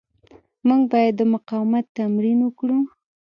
موږ باید د مقاومت تمرین وکړو.